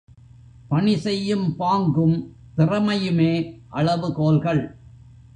பணி செய்யும் பாங்கும் திறமையுமே அளவுகோல்கள்.